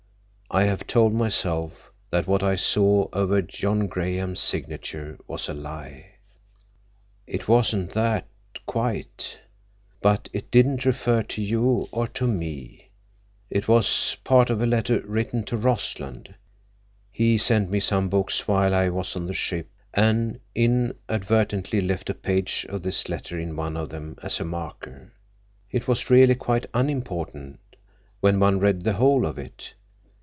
I have told myself that what I saw over John Graham's signature was a lie." "It wasn't that—quite. But it didn't refer to you, or to me. It was part of a letter written to Rossland. He sent me some books while I was on the ship, and inadvertently left a page of this letter in one of them as a marker. It was really quite unimportant, when one read the whole of it.